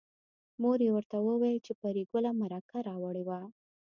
مور یې ورته وویل چې پري ګله مرکه راوړې وه